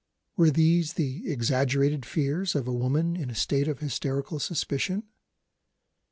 Were these the exaggerated fears of a woman in a state of hysterical suspicion?